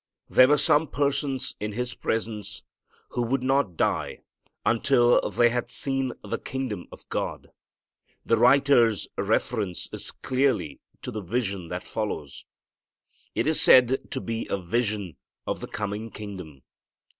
There were some persons in His presence who would not die until they had seen the kingdom of God. The writers' reference is clearly to the vision that follows. It is said to be a vision of the coming kingdom.